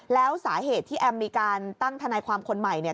แล้วสาเหตุที่แอมมีการตั้งทนายความคนใหม่เนี่ย